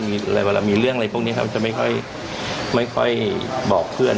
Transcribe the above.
เวลามีเรื่องอะไรพวกนี้ครับจะไม่ค่อยบอกเพื่อน